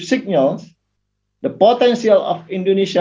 potensi ekonomi halal indonesia